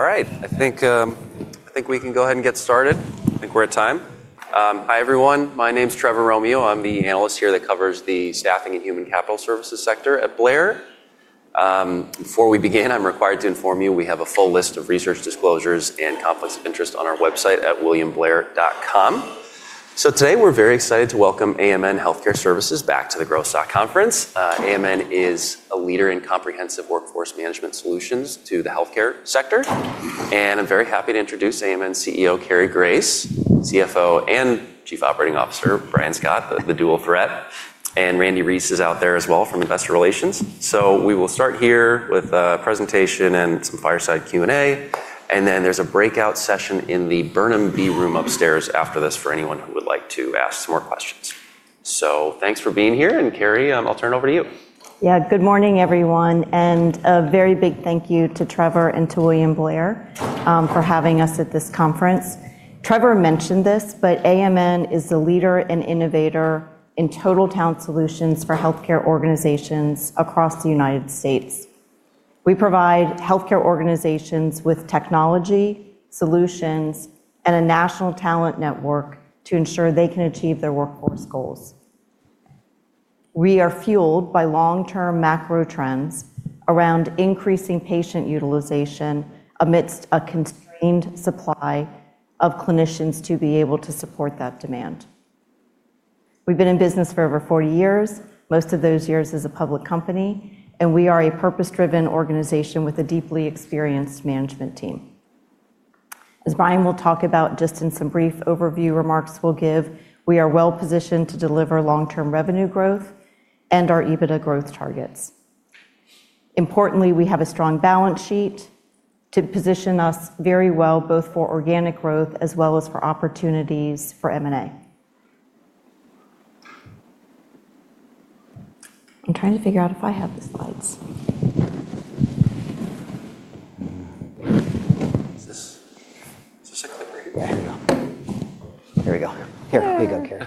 All right. I think we can go ahead and get started. I think we're at time. Hi, everyone. My name's Trevor Romeo. I'm the analyst here that covers the staffing and human capital services sector at Blair. Before we begin, I'm required to inform you we have a full list of research disclosures and conflicts of interest on our website at williamblair.com. Today, we're very excited to welcome AMN Healthcare Services back to the Growth Stock Conference. AMN is a leader in comprehensive workforce management solutions to the healthcare sector. I'm very happy to introduce AMN CEO, Cary Grace, CFO and Chief Operating Officer, Brian Scott, the dual threat, and Randle Reece is out there as well from investor relations. We will start here with a presentation and some fireside Q&A, and then there's a breakout session in the Burnham B room upstairs after this for anyone who would like to ask some more questions. Thanks for being here, and Cary, I'll turn it over to you. Good morning, everyone, and a very big thank you to Trevor and to William Blair for having us at this conference. Trevor mentioned this. AMN is the leader and innovator in total talent solutions for healthcare organizations across the U.S. We provide healthcare organizations with technology, solutions, and a national talent network to ensure they can achieve their workforce goals. We are fueled by long-term macro trends around increasing patient utilization amidst a constrained supply of clinicians to be able to support that demand. We've been in business for over 40 years, most of those years as a public company. We are a purpose-driven organization with a deeply experienced management team. As Brian will talk about just in some brief overview remarks we'll give, we are well positioned to deliver long-term revenue growth and our EBITDA growth targets. Importantly, we have a strong balance sheet to position us very well, both for organic growth as well as for opportunities for M&A. I'm trying to figure out if I have the slides. Is this another? Here we go. Here you go, Cary.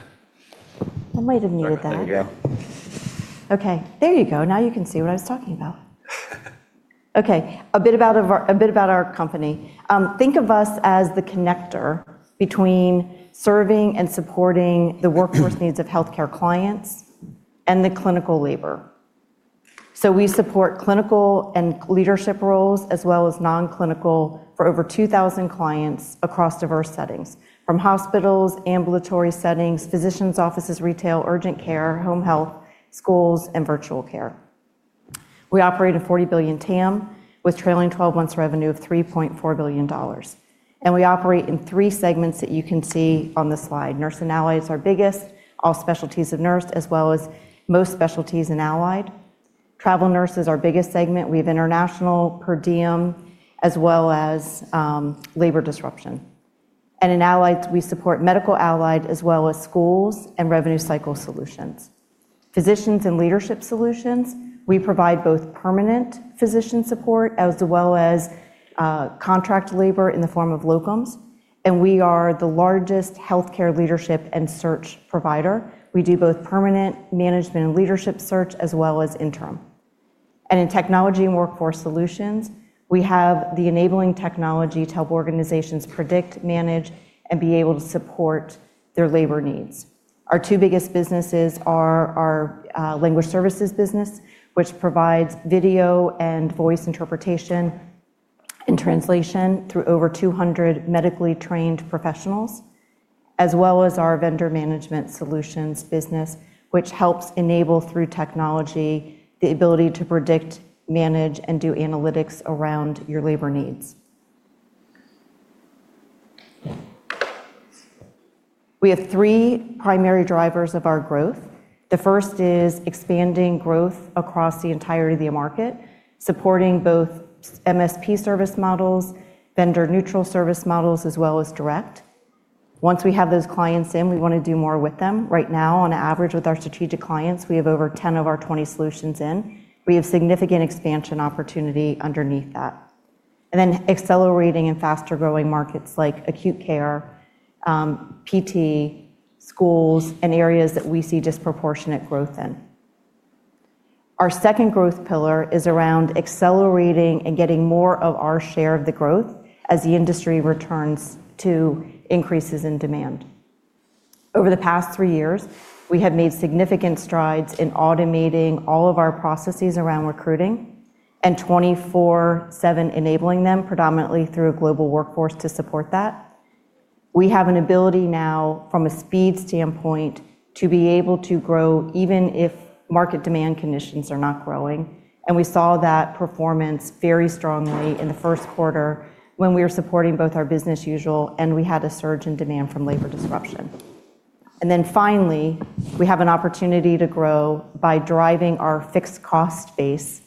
I might have needed that. There we go. Okay. There you go. Now you can see what I was talking about. Okay. A bit about our company. Think of us as the connector between serving and supporting the workforce needs of healthcare clients and the clinical labor. We support clinical and leadership roles as well as non-clinical for over 2,000 clients across diverse settings, from hospitals, ambulatory settings, physicians' offices, retail, urgent care, home health, schools, and virtual care. We operate a 40 billion TAM with trailing 12 months revenue of $3.4 billion, and we operate in three segments that you can see on this slide. Nurse and Allied is our biggest, all specialties of nurse as well as most specialties in Allied. Travel nurse is our biggest segment. We have international, per diem, as well as labor disruption. In Allied, we support medical Allied as well as schools and revenue cycle solutions. Physician and Leadership Solutions, we provide both permanent physician support as well as contract labor in the form of locums. We are the largest healthcare leadership and search provider. We do both permanent management and leadership search as well as interim. In Technology and Workforce Solutions, we have the enabling technology to help organizations predict, manage, and be able to support their labor needs. Our two biggest businesses are our Language Services business, which provides video and voice interpretation and translation through over 200 medically trained professionals, as well as our vendor management solutions business, which helps enable through technology the ability to predict, manage, and do analytics around your labor needs. We have three primary drivers of our growth. The first is expanding growth across the entirety of the market, supporting both MSP service models, Vendor Neutral service models, as well as Direct. Once we have those clients in, we want to do more with them. Right now, on average with our strategic clients, we have over 10 of our 20 solutions in. We have significant expansion opportunity underneath that. Accelerating in faster-growing markets like Acute Care, PT, schools, and areas that we see disproportionate growth in. Our second growth pillar is around accelerating and getting more of our share of the growth as the industry returns to increases in demand. Over the past three years, we have made significant strides in automating all of our processes around recruiting and 24/7 enabling them predominantly through a global workforce to support that. We have an ability now from a speed standpoint to be able to grow even if market demand conditions are not growing. We saw that performance very strongly in the first quarter when we were supporting both our BAU and we had a surge in demand from labor disruption. Finally, we have an opportunity to grow by driving our fixed cost base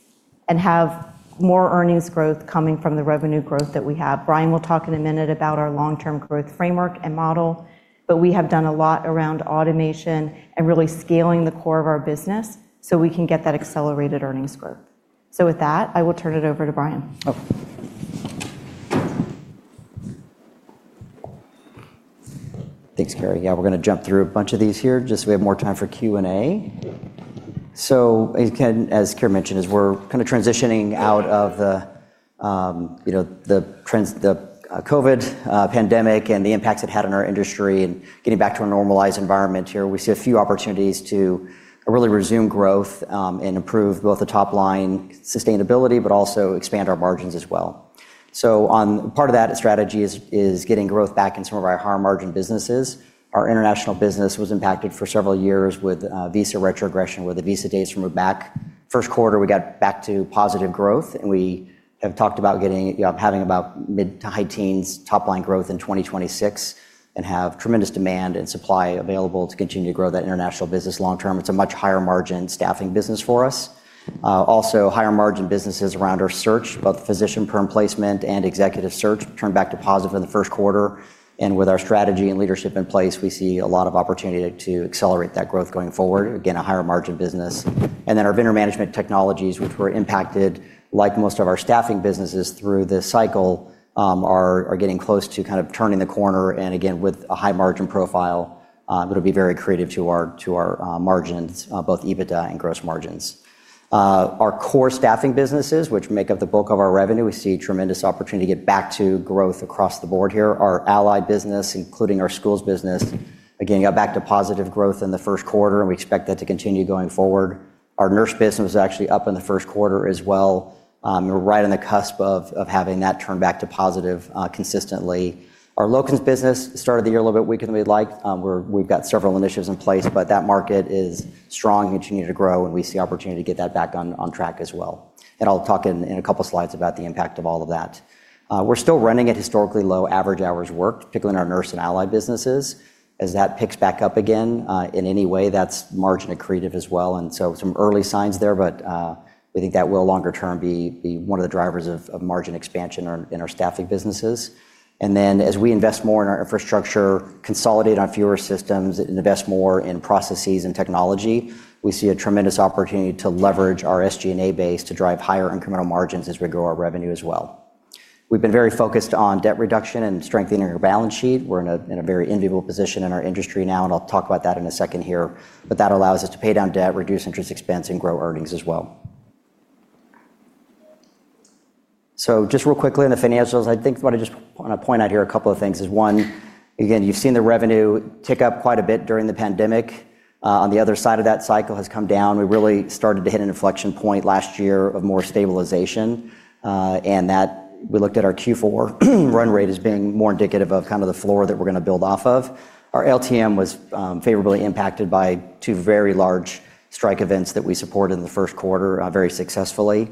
and have more earnings growth coming from the revenue growth that we have. Brian will talk in a minute about our long-term growth framework and model. We have done a lot around automation and really scaling the core of our business so we can get that accelerated earnings growth. With that, I will turn it over to Brian. Oh. Thanks, Cary. Yeah, we're going to jump through a bunch of these here, just so we have more time for Q&A. As Cary mentioned, as we're kind of transitioning out of the COVID pandemic and the impacts it had on our industry and getting back to a normalized environment here, we see a few opportunities to really resume growth, and improve both the top-line sustainability, but also expand our margins as well. On part of that strategy is getting growth back in some of our higher margin businesses. Our international business was impacted for several years with visa retrogression, where the visa dates were moved back. First quarter, we got back to positive growth, and we have talked about having about mid-to-high teens top-line growth in 2026 and have tremendous demand and supply available to continue to grow that international business long-term. It's a much higher margin staffing business for us. Also, higher margin businesses around our search, both physician perm placement and executive search turned back to positive in the first quarter. With our strategy and leadership in place, we see a lot of opportunity to accelerate that growth going forward. Again, a higher margin business. Our vendor management technologies, which were impacted like most of our staffing businesses through this cycle, are getting close to kind of turning the corner and again, with a high margin profile, it'll be very accretive to our margins, both EBITDA and gross margins. Our core staffing businesses, which make up the bulk of our revenue, we see a tremendous opportunity to get back to growth across the board here. Our Allied business, including our Schools business, again, got back to positive growth in the first quarter. We expect that to continue going forward. Our nurse business was actually up in the first quarter as well. We're right on the cusp of having that turn back to positive consistently. Our locums business started the year a little bit weaker than we'd like. We've got several initiatives in place. That market is strong and continuing to grow. We see opportunity to get that back on track as well. I'll talk in a couple slides about the impact of all of that. We're still running at historically low average hours worked, particularly in our Nurse and Allied businesses. As that picks back up again, in any way, that's margin accretive as well. Some early signs there, but we think that will longer term be one of the drivers of margin expansion in our staffing businesses. As we invest more in our infrastructure, consolidate on fewer systems, and invest more in processes and technology, we see a tremendous opportunity to leverage our SG&A base to drive higher incremental margins as we grow our revenue as well. We've been very focused on debt reduction and strengthening our balance sheet. We're in a very enviable position in our industry now, and I'll talk about that in a second here. That allows us to pay down debt, reduce interest expense, and grow earnings as well. Just real quickly on the financials, I think what I just want to point out here, a couple of things is one, again, you've seen the revenue tick up quite a bit during the pandemic. On the other side of that cycle has come down. We really started to hit an inflection point last year of more stabilization. We looked at our Q4 run rate as being more indicative of kind of the floor that we're going to build off of. Our LTM was favorably impacted by two very large strike events that we supported in the first quarter very successfully.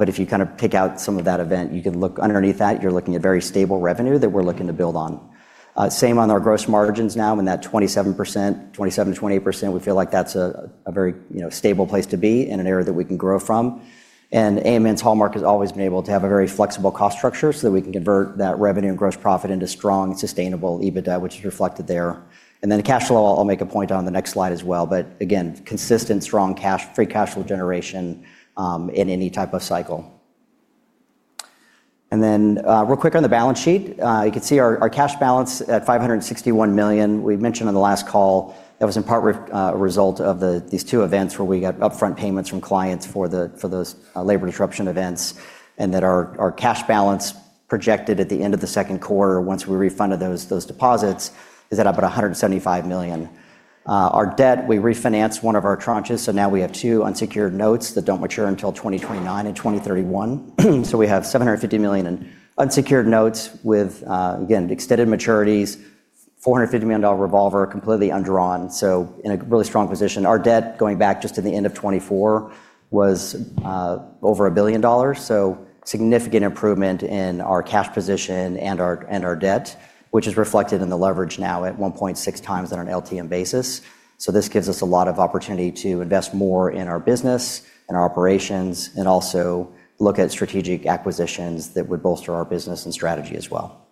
If you kind of pick out some of that event, you can look underneath that. You're looking at very stable revenue that we're looking to build on. Same on our gross margins now in that 27%-28%, we feel like that's a very stable place to be and an area that we can grow from. AMN's hallmark has always been able to have a very flexible cost structure so that we can convert that revenue and gross profit into strong, sustainable EBITDA, which is reflected there. Cash flow, I'll make a point on the next slide as well, but again, consistent strong free cash flow generation in any type of cycle. Real quick on the balance sheet, you can see our cash balance at $561 million. We mentioned on the last call that was in part a result of these two events where we got upfront payments from clients for those labor disruption events and that our cash balance projected at the end of the second quarter, once we refunded those deposits, is at about $175 million. Our debt, we refinanced one of our tranches, so now we have two unsecured notes that don't mature until 2029 and 2031. We have $750 million in unsecured notes with, again, extended maturities, $450 million revolver completely undrawn, so in a really strong position. Our debt going back just to the end of 2024 was over $1 billion, so significant improvement in our cash position and our debt, which is reflected in the leverage now at 1.6x on an LTM basis. This gives us a lot of opportunity to invest more in our business and our operations and also look at strategic acquisitions that would bolster our business and strategy as well.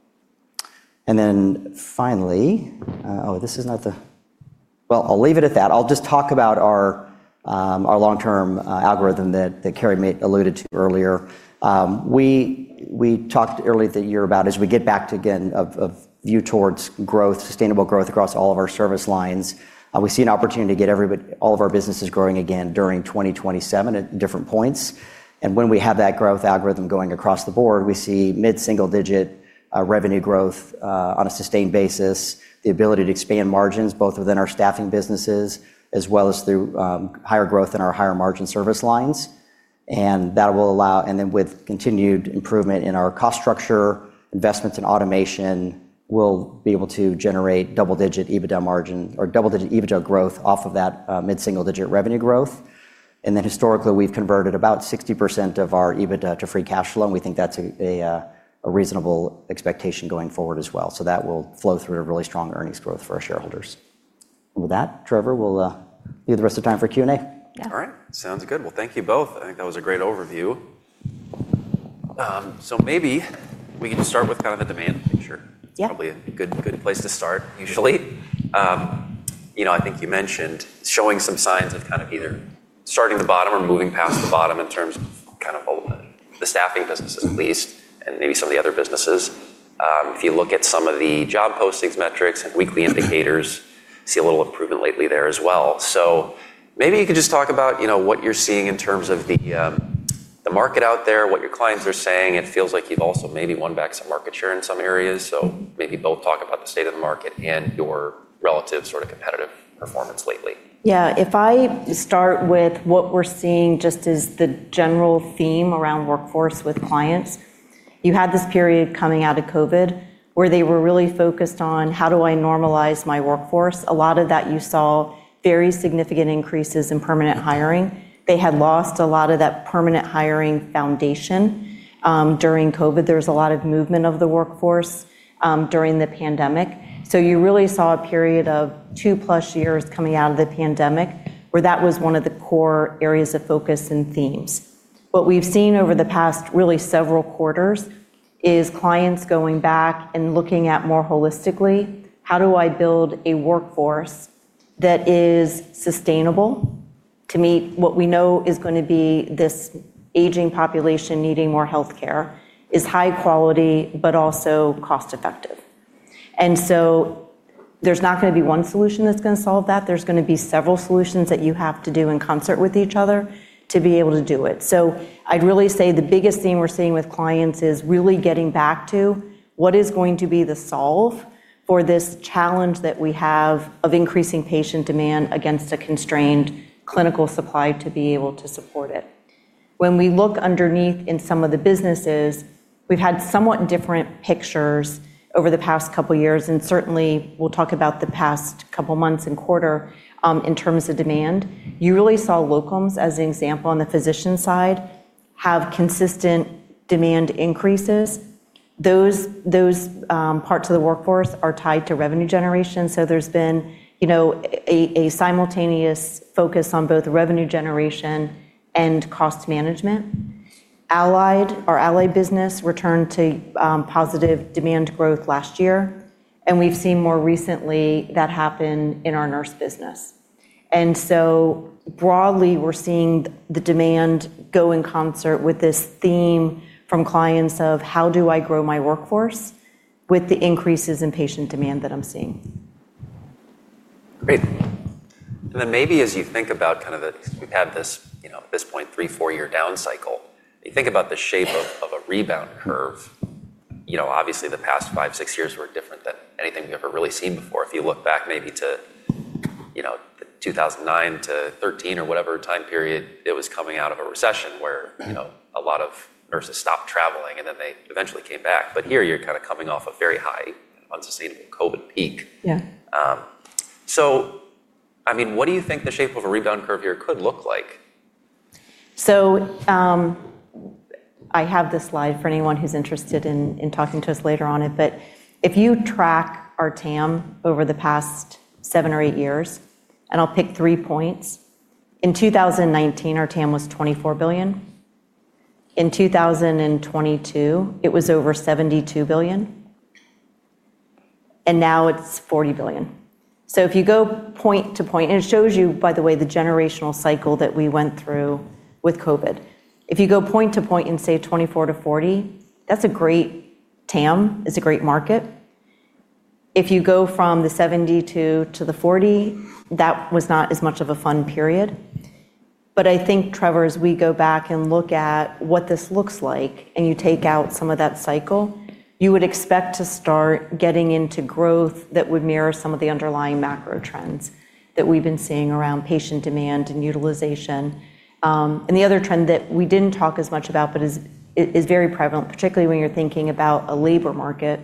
Finally, Well, I'll leave it at that. I'll just talk about our long-term algorithm that Cary alluded to earlier. We talked earlier in the year about as we get back to, again, a view towards growth, sustainable growth across all of our service lines. We see an opportunity to get all of our businesses growing again during 2027 at different points. When we have that growth algorithm going across the board, we see mid-single-digit revenue growth on a sustained basis, the ability to expand margins both within our staffing businesses as well as through higher growth in our higher margin service lines. With continued improvement in our cost structure, investments in automation will be able to generate double-digit EBITDA margin or double-digit EBITDA growth off of that mid-single-digit revenue growth. Historically, we've converted about 60% of our EBITDA to free cash flow, and we think that's a reasonable expectation going forward as well. That will flow through to really strong earnings growth for our shareholders. With that, Trevor, we'll give the rest of the time for Q&A. Yeah. All right. Sounds good. Well, thank you both. I think that was a great overview. Maybe we can start with kind of the demand picture. Yeah. It's probably a good place to start, usually. I think you mentioned showing some signs of kind of either starting the bottom or moving past the bottom in terms of kind of the staffing business at least, and maybe some of the other businesses. If you look at some of the job postings metrics and weekly indicators, see a little improvement lately there as well. Maybe you could just talk about what you're seeing in terms of the market out there, what your clients are saying. It feels like you've also maybe won back some market share in some areas. Maybe both talk about the state of the market and your relative sort of competitive performance lately. Yeah. If I start with what we're seeing just as the general theme around workforce with clients, you had this period coming out of COVID where they were really focused on: how do I normalize my workforce? A lot of that you saw very significant increases in permanent hiring. They had lost a lot of that permanent hiring foundation during COVID. There was a lot of movement of the workforce during the pandemic. You really saw a period of two-plus years coming out of the pandemic where that was one of the core areas of focus and themes. What we've seen over the past, really several quarters, is clients going back and looking at more holistically, how do I build a workforce that is sustainable to meet what we know is going to be this aging population needing more healthcare, is high quality, but also cost-effective? There's not going to be one solution that's going to solve that. There's going to be several solutions that you have to do in concert with each other to be able to do it. I'd really say the biggest theme we're seeing with clients is really getting back to what is going to be the solve for this challenge that we have of increasing patient demand against a constrained clinical supply to be able to support it. When we look underneath in some of the businesses, we've had somewhat different pictures over the past couple of years, and certainly we'll talk about the past couple of months and quarter, in terms of demand. You really saw locums, as an example on the physician side, have consistent demand increases. Those parts of the workforce are tied to revenue generation. There's been a simultaneous focus on both revenue generation and cost management. Our Allied business returned to positive demand growth last year, and we've seen more recently that happen in our Nurse business. Broadly, we're seeing the demand go in concert with this theme from clients of how do I grow my workforce with the increases in patient demand that I'm seeing. Great. Maybe as you think about, we've had this three-four year down cycle. You think about the shape of a rebound curve. Obviously, the past five, six years were different than anything we've ever really seen before. If you look back maybe to 2009-2013 or whatever time period, it was coming out of a recession where a lot of nurses stopped traveling, they eventually came back. You're kind of coming off a very high, unsustainable COVID peak. Yeah. What do you think the shape of a rebound curve here could look like? I have this slide for anyone who's interested in talking to us later on it. If you track our TAM over the past seven or eight years, and I'll pick three points. In 2019, our TAM was $24 billion. In 2022, it was over $72 billion, and now it's $40 billion. If you go point to point, and it shows you, by the way, the generational cycle that we went through with COVID. If you go point to point and say $24 billion to $40 billion, that's a great TAM. It's a great market. If you go from the $72 billion to the $40 billion, that was not as much of a fun period. I think, Trevor, as we go back and look at what this looks like, and you take out some of that cycle, you would expect to start getting into growth that would mirror some of the underlying macro trends that we've been seeing around patient demand and utilization. The other trend that we didn't talk as much about but is very prevalent, particularly when you're thinking about a labor market,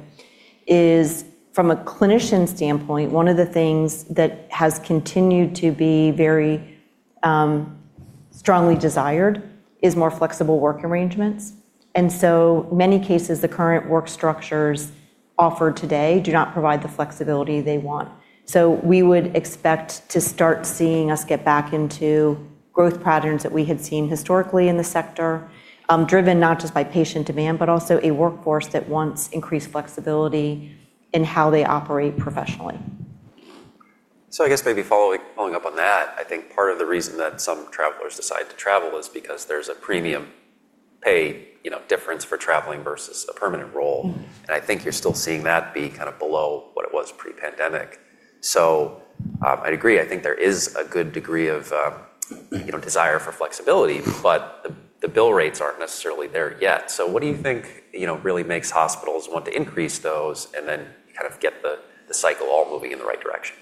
is from a clinician standpoint, one of the things that has continued to be very strongly desired is more flexible work arrangements. So many cases, the current work structures offered today do not provide the flexibility they want. We would expect to start seeing us get back into growth patterns that we had seen historically in the sector, driven not just by patient demand, but also a workforce that wants increased flexibility in how they operate professionally. I guess maybe following up on that, I think part of the reason that some travelers decide to travel is because there's a premium pay difference for traveling versus a permanent role. I think you're still seeing that be kind of below what it was pre-pandemic. I'd agree. I think there is a good degree of desire for flexibility, but the bill rates aren't necessarily there yet. What do you think really makes hospitals want to increase those and then kind of get the cycle all moving in the right direction?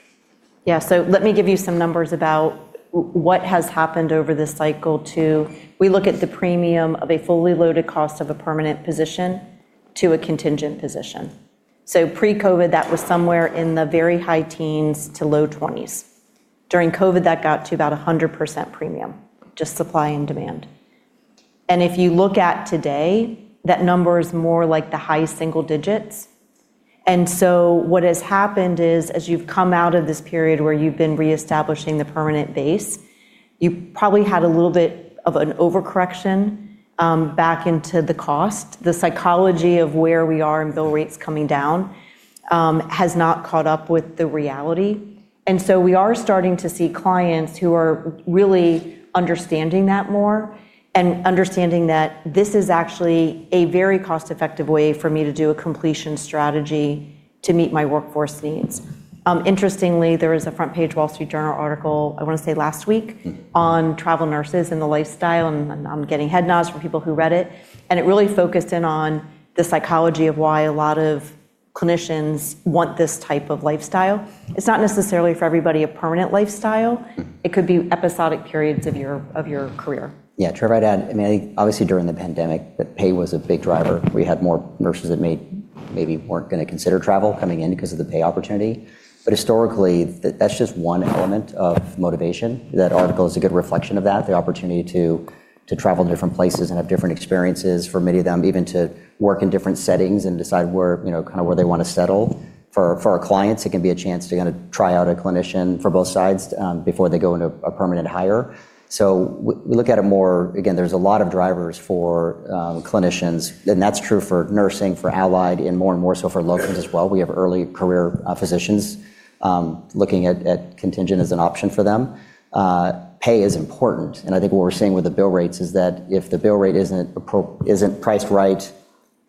Yeah. Let me give you some numbers about what has happened over this cycle too. We look at the premium of a fully loaded cost of a permanent position to a contingent position. Pre-COVID, that was somewhere in the very high teens to low 20s. During COVID, that got to about 100% premium, just supply and demand. If you look at today, that number is more like the high single digits. What has happened is, as you've come out of this period where you've been reestablishing the permanent base. You probably had a little bit of an overcorrection back into the cost. The psychology of where we are and bill rates coming down has not caught up with the reality. We are starting to see clients who are really understanding that more and understanding that this is actually a very cost-effective way for me to do a completion strategy to meet my workforce needs. Interestingly, there was a front-page Wall Street Journal article, I want to say last week, on travel nurses and the lifestyle, and I'm getting head nods from people who read it. It really focused in on the psychology of why a lot of clinicians want this type of lifestyle. It's not necessarily for everybody a permanent lifestyle. It could be episodic periods of your career. Trevor, I'd add, I think obviously during the pandemic, the pay was a big driver. We had more nurses that maybe weren't going to consider travel coming in because of the pay opportunity. Historically, that's just one element of motivation. That article is a good reflection of that, the opportunity to travel to different places and have different experiences for many of them, even to work in different settings and decide where they want to settle. For our clients, it can be a chance to kind of try out a clinician for both sides before they go into a permanent hire. We look at it more, again, there's a lot of drivers for clinicians, and that's true for nursing, for allied, and more and more so for locums as well. We have early career physicians looking at contingent as an option for them. Pay is important, I think what we're seeing with the bill rates is that if the bill rate isn't priced right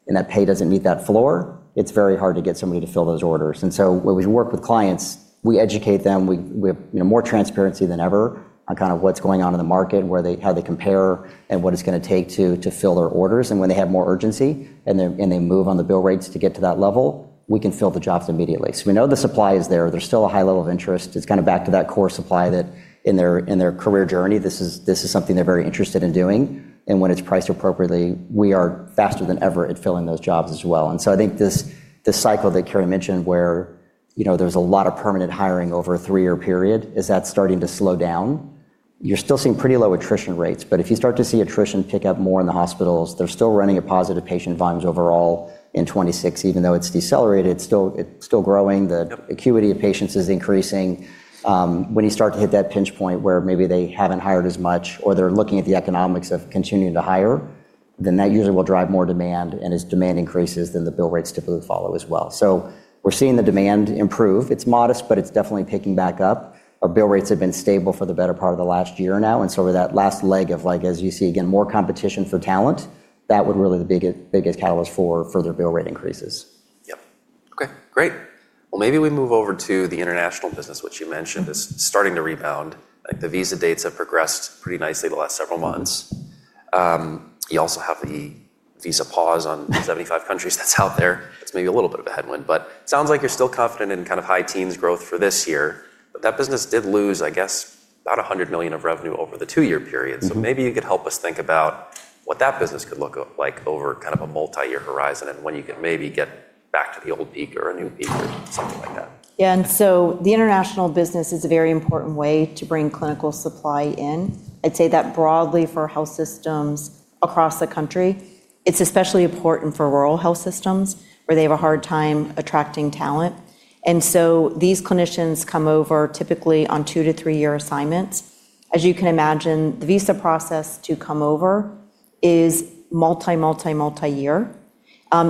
and that pay doesn't meet that floor, it's very hard to get somebody to fill those orders. When we work with clients, we educate them. We have more transparency than ever on kind of what's going on in the market, how they compare, and what it's going to take to fill their orders. When they have more urgency and they move on the bill rates to get to that level, we can fill the jobs immediately. We know the supply is there. There's still a high level of interest. It's kind of back to that core supply that in their career journey, this is something they're very interested in doing. When it's priced appropriately, we are faster than ever at filling those jobs as well. I think this cycle that Cary mentioned, where there's a lot of permanent hiring over a three-year period, is that starting to slow down. You're still seeing pretty low attrition rates, but if you start to see attrition pick up more in the hospitals, they're still running a positive patient volumes overall in 2026, even though it's decelerated, it's still growing. The acuity of patients is increasing. When you start to hit that pinch point where maybe they haven't hired as much or they're looking at the economics of continuing to hire, then that usually will drive more demand. As demand increases, then the bill rates typically follow as well. We're seeing the demand improve. It's modest, but it's definitely picking back up. Our bill rates have been stable for the better part of the last year now. That last leg of as you see again, more competition for talent, that would really be the biggest catalyst for further bill rate increases. Yep. Okay, great. Well, maybe we move over to the international business, which you mentioned is starting to rebound. The visa dates have progressed pretty nicely the last several months. You also have the visa pause on 75 countries that's out there. That's maybe a little bit of a headwind, sounds like you're still confident in kind of high teens growth for this year. That business did lose, I guess, about $100 million of revenue over the two-year period. Maybe you could help us think about what that business could look like over kind of a multi-year horizon and when you could maybe get back to the old peak or a new peak or something like that. Yeah. The international business is a very important way to bring clinical supply in. I'd say that broadly for health systems across the country. It's especially important for rural health systems where they have a hard time attracting talent. These clinicians come over typically on two to three year assignments. As you can imagine, the visa process to come over is multiyear.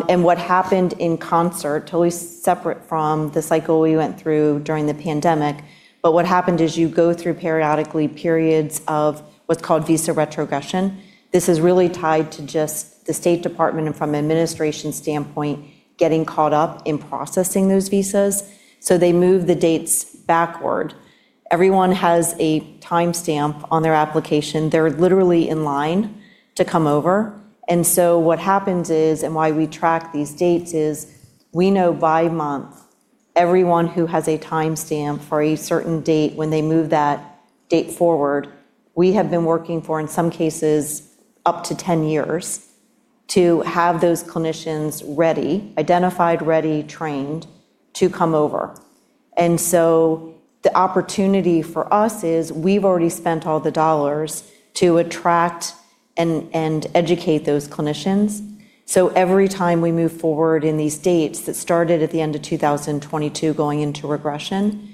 What happened in concert, totally separate from the cycle we went through during the pandemic, but what happened is you go through periodically periods of what's called visa retrogression. This is really tied to just the State Department and from an administration standpoint, getting caught up in processing those visas. They move the dates backward. Everyone has a timestamp on their application. They're literally in line to come over. What happens is, and why we track these dates is, we know by month everyone who has a timestamp for a certain date when they move that date forward. We have been working for, in some cases, up to 10 years to have those clinicians ready, identified, ready, trained to come over. The opportunity for us is we've already spent all the dollars to attract and educate those clinicians. Every time we move forward in these dates that started at the end of 2022 going into regression,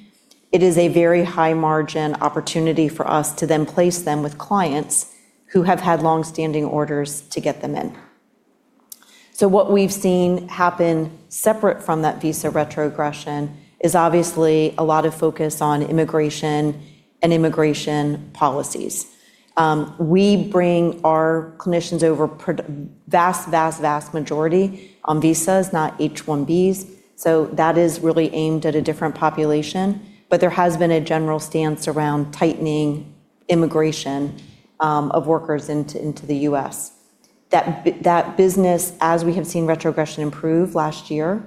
it is a very high margin opportunity for us to then place them with clients who have had longstanding orders to get them in. What we've seen happen separate from that visa retrogression is obviously a lot of focus on immigration and immigration policies. We bring our clinicians over vast majority on visas, not H-1Bs. That is really aimed at a different population. There has been a general stance around tightening immigration of workers into the U.S. That business, as we have seen retrogression improve last year,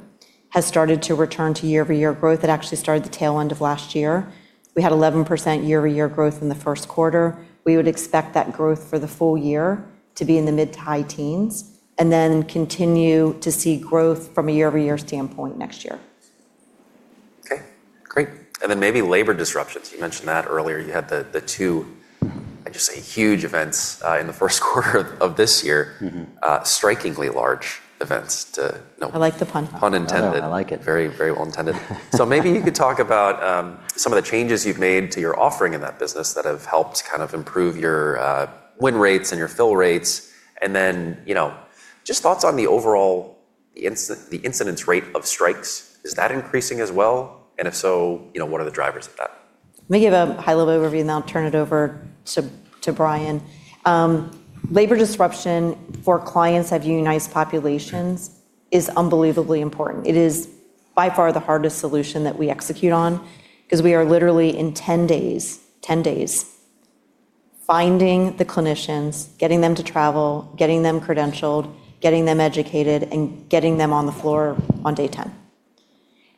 has started to return to year-over-year growth. It actually started the tail end of last year. We had 11% year-over-year growth in the first quarter. We would expect that growth for the full year to be in the mid to high teens and then continue to see growth from a year-over-year standpoint next year. Okay, great. Maybe labor disruptions. You mentioned that earlier. You had the two, I just say, huge events in the first quarter of this year. Strikingly large events to note. I like the pun. Pun intended. I like it. Very well intended. Maybe you could talk about some of the changes you've made to your offering in that business that have helped kind of improve your win rates and your fill rates, and then just thoughts on the overall incidence rate of strikes. Is that increasing as well? If so, what are the drivers of that? Let me give a high-level overview, then I'll turn it over to Brian. Labor disruption for clients of unionized populations is unbelievably important. It is by far the hardest solution that we execute on because we are literally in 10 days, finding the clinicians, getting them to travel, getting them credentialed, getting them educated, and getting them on the floor on day 10.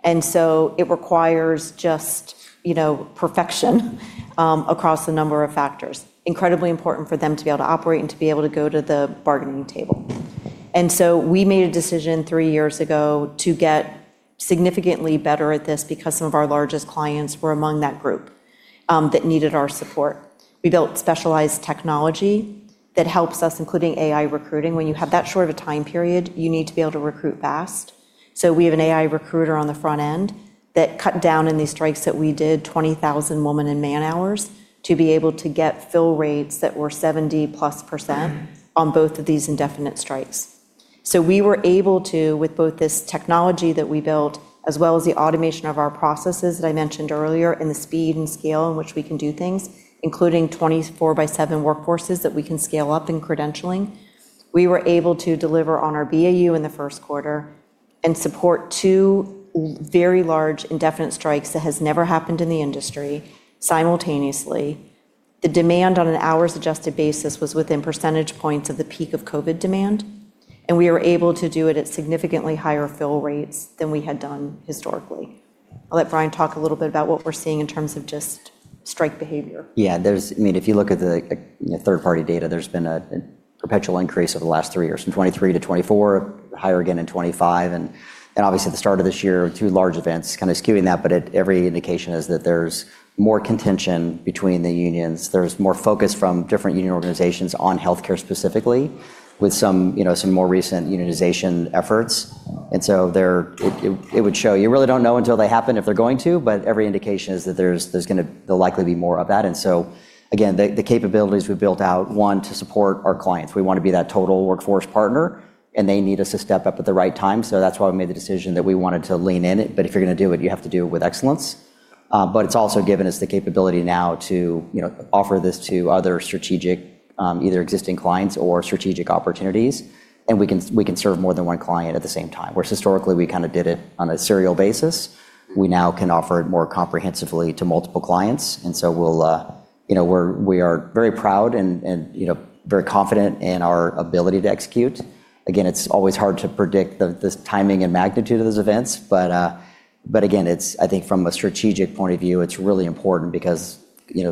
It requires just perfection across a number of factors. Incredibly important for them to be able to operate and to be able to go to the bargaining table. We made a decision three years ago to get significantly better at this because some of our largest clients were among that group that needed our support. We built specialized technology that helps us, including AI recruiting. When you have that short of a time period, you need to be able to recruit fast. We have an AI recruiter on the front end that cut down on these strikes that we did 20,000 woman and man hours to be able to get fill rates that were 70%+ on both of these indefinite strikes. We were able to, with both this technology that we built, as well as the automation of our processes that I mentioned earlier, and the speed and scale in which we can do things, including 24/7 workforces that we can scale up in credentialing. We were able to deliver on our BAU in the first quarter and support two very large indefinite strikes that has never happened in the industry simultaneously. The demand on an hours-adjusted basis was within percentage points of the peak of COVID demand, and we were able to do it at significantly higher fill rates than we had done historically. I'll let Brian talk a little bit about what we're seeing in terms of just strike behavior. If you look at the third-party data, there's been a perpetual increase over the last three years, from 2023 to 2024, higher again in 2025. Obviously the start of this year, two large events kind of skewing that, but every indication is that there's more contention between the unions. There's more focus from different union organizations on healthcare specifically, with some more recent unionization efforts. It would show. You really don't know until they happen if they're going to, but every indication is that there'll likely be more of that. Again, the capabilities we've built out, one, to support our clients. We want to be that total workforce partner, and they need us to step up at the right time. That's why we made the decision that we wanted to lean in. If you're going to do it, you have to do it with excellence. It's also given us the capability now to offer this to other strategic, either existing clients or strategic opportunities. We can serve more than one client at the same time. Whereas historically we kind of did it on a serial basis, we now can offer it more comprehensively to multiple clients. We are very proud and very confident in our ability to execute. Again, it's always hard to predict the timing and magnitude of those events. Again, I think from a strategic point of view, it's really important because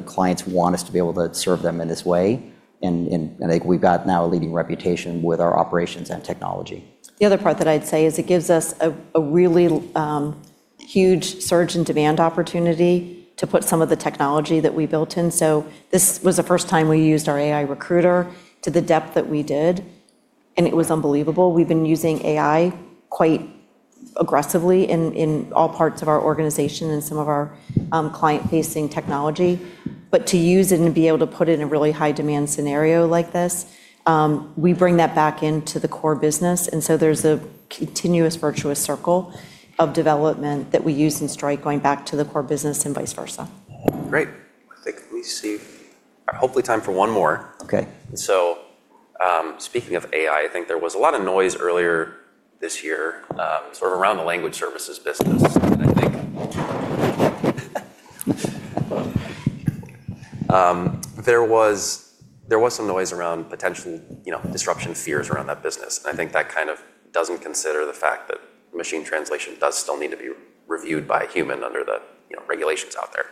clients want us to be able to serve them in this way, and I think we've got now a leading reputation with our operations and technology. The other part that I'd say is it gives us a really huge surge in demand opportunity to put some of the technology that we built in. This was the first time we used our AI recruiter to the depth that we did, and it was unbelievable. We've been using AI quite aggressively in all parts of our organization and some of our client-facing technology. To use it and be able to put it in a really high-demand scenario like this, we bring that back into the core business, and so there's a continuous virtuous circle of development that we use in strike going back to the core business and vice versa. Great. I think we see hopefully time for one more. Okay. Speaking of AI, I think there was a lot of noise earlier this year sort of around the language services business, and I think there was some noise around potential disruption fears around that business. I think that kind of doesn't consider the fact that machine translation does still need to be reviewed by a human under the regulations out there.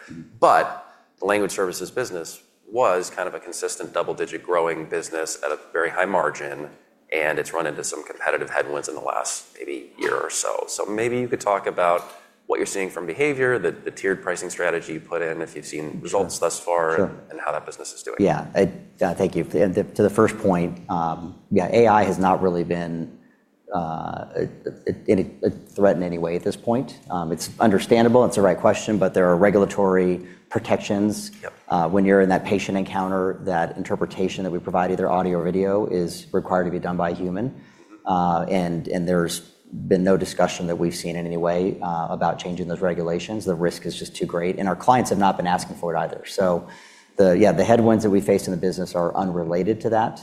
The language services business was kind of a consistent double-digit growing business at a very high margin, and it's run into some competitive headwinds in the last maybe year or so. Maybe you could talk about what you're seeing from behavior, the tiered pricing strategy you put in, if you've seen results thus far. Sure how that business is doing. Yeah. Thank you. To the first point, yeah, AI has not really been a threat in any way at this point. It's understandable, it's the right question. There are regulatory protections. Yep. When you're in that patient encounter, that interpretation that we provide, either audio or video, is required to be done by a human. There's been no discussion that we've seen in any way about changing those regulations. The risk is just too great, and our clients have not been asking for it either. Yeah, the headwinds that we face in the business are unrelated to that.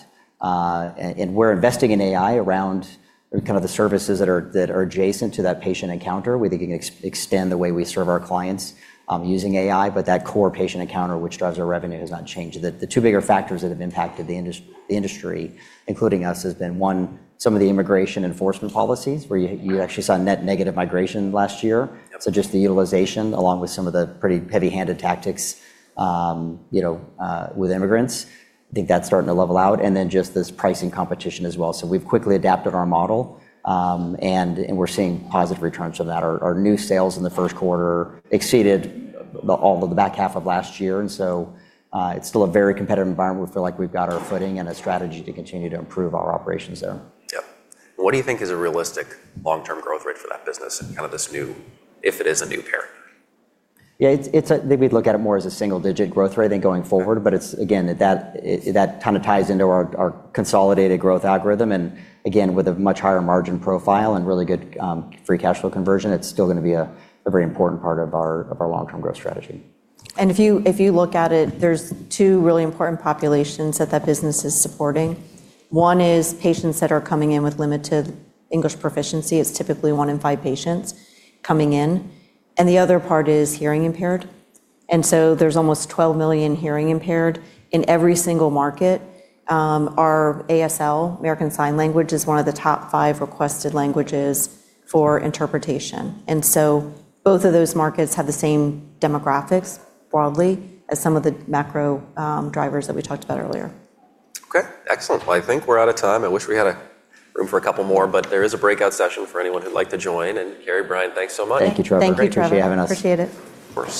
We're investing in AI around kind of the services that are adjacent to that patient encounter. We think it can extend the way we serve our clients using AI, but that core patient encounter, which drives our revenue, has not changed. The two bigger factors that have impacted the industry, including us, has been, one, some of the immigration enforcement policies where you actually saw net negative migration last year. Yep. Just the utilization, along with some of the pretty heavy-handed tactics with immigrants. I think that's starting to level out, and then just this pricing competition as well. We've quickly adapted our model, and we're seeing positive returns from that. Our new sales in the first quarter exceeded all of the back half of last year, and so it's still a very competitive environment. We feel like we've got our footing and a strategy to continue to improve our operations there. Yep. What do you think is a realistic long-term growth rate for that business and kind of this new, if it is a new, paradigm? I think we'd look at it more as a single-digit growth rate than going forward. Again, that kind of ties into our consolidated growth algorithm. Again, with a much higher margin profile and really good free cash flow conversion, it's still going to be a very important part of our long-term growth strategy. If you look at it, there's two really important populations that that business is supporting. One is patients that are coming in with limited English proficiency. It's typically one in five patients coming in. The other part is hearing impaired. There's almost 12 million hearing impaired in every single market. Our ASL, American Sign Language, is one of the top five requested languages for interpretation. Both of those markets have the same demographics broadly as some of the macro drivers that we talked about earlier. Okay. Excellent. Well, I think we're out of time. I wish we had room for a couple more, but there is a breakout session for anyone who'd like to join. Cary, Brian, thanks so much. Thank you, Trevor. Thank you, Trevor. Very much for having us. Appreciate it. Of course.